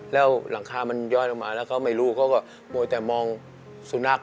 แล้วหลังคามันย้อยลงมาแล้วเขาไม่รู้เขาก็มัวแต่มองสุนัข